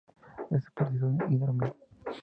Es parecido al hidromiel.